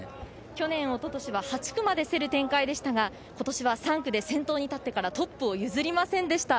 去年、おととしは８区まで競る展開でしたが今年は３区で先頭に立ってからトップを譲りませんでした。